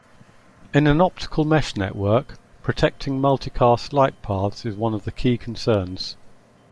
In an optical mesh network, protecting multicast lightpaths is one of the key concerns.